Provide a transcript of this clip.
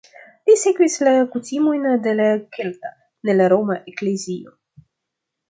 Li sekvis la kutimojn de la kelta, ne la roma, eklezio.